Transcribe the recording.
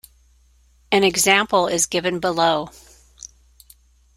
An example is given below.